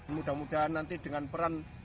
mudah mudahan nanti dengan peran